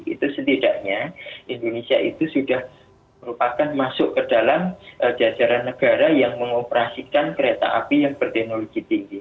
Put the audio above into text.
itu setidaknya indonesia itu sudah merupakan masuk ke dalam jajaran negara yang mengoperasikan kereta api yang berteknologi tinggi